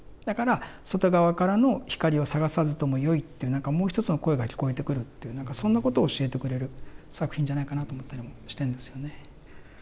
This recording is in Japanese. だから外側からの光を探さずともよいっていうなんかもう一つの声が聞こえてくるっていうそんなことを教えてくれる作品じゃないかなと思ったりもしてんですよね。